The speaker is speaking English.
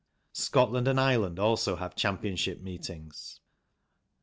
Scotland and Ireland also have championship meetings.